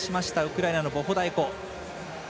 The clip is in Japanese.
ウクライナのボホダイコ。